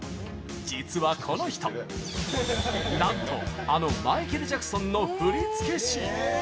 実はこの人、なんとあのマイケル・ジャクソンの振付師！